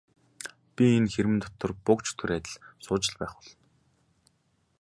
Би энэ хэрмэн дотор буг чөтгөр адил сууж л байх болно.